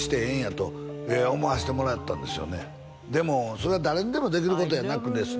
それは誰にでもできることやなくですね